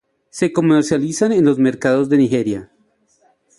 Se comercializan en los mercados de Nigeria.